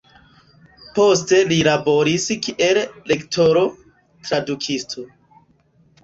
Poste li laboris kiel lektoro, tradukisto.